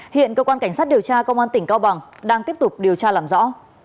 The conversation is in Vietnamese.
hiện cơ quan cảnh sát điều tra công an tỉnh cao bằng đang tiếp tục điều tra làm rõ